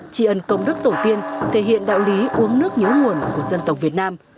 tri ân công đức tổ tiên thể hiện đạo lý uống nước nhớ nguồn của dân tộc việt nam